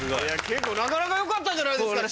結構なかなかよかったんじゃないですか？